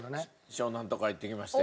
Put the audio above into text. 湘南とか行ってきましたよ。